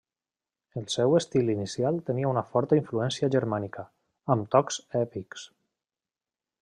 El seu estil inicial tenia una forta influència germànica, amb tocs èpics.